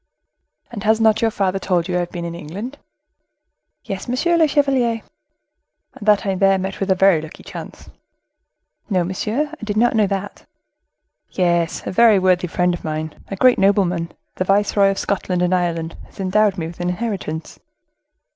"And has not your father told you I have been in England?" "Yes, monsieur le chevalier." "And that I there met with a very lucky chance?" "No, monsieur, I did not know that." "Yes, a very worthy friend of mine, a great nobleman, the viceroy of Scotland and Ireland, has endowed me with an inheritance."